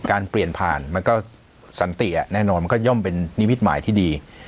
การเปลี่ยนผ่านมันก็สันติแน่นอนมันก็ย่อมเป็นนิมิตหมายที่ดี